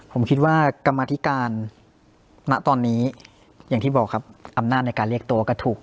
ผมคิดว่ากรรมธิการณตอนนี้อย่างที่บอกครับอำนาจในการเรียกตัวก็ถูก